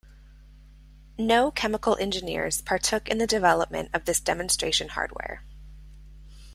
No chemical engineers partook in the development of the demonstration hardware.